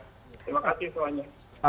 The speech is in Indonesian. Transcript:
terima kasih semuanya